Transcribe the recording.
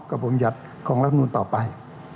กระบวงหยัดของรัฐธรรมนุนต่อไป